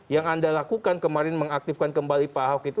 yang anda lakukan kemarin mengaktifkan kembali pak ahok itu